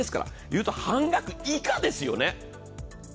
言うと半額以下ですよね。